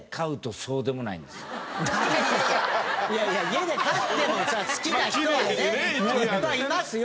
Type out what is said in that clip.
いやいや家で飼ってもさ好きな人はねいっぱいいますよ。